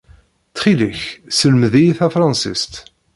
Ttxil-k, sselmed-iyi tafṛensist.